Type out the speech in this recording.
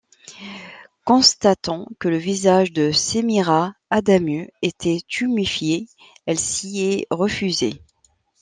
Constatant que le visage de Semira Adamu était tuméfié, elle s'y est refusée.